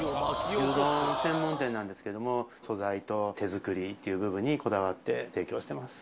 牛丼専門店なんですけど、素材と手作りっていう部分にこだわって提供してます。